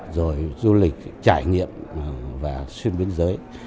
du lịch trải nghiệm và xuyên biến giới